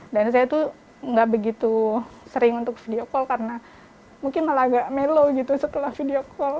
dan saya itu nggak begitu sering untuk video call karena mungkin malah agak mellow gitu setelah video call karena kangen